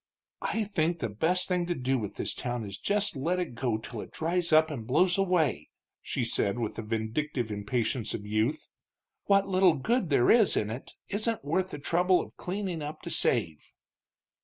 "I think the best thing to do with this town is just let it go till it dries up and blows away," she said, with the vindictive impatience of youth. "What little good there is in it isn't worth the trouble of cleaning up to save."